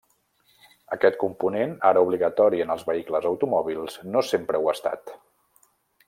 Aquest component ara obligatori en els vehicles automòbils, no sempre ho ha estat.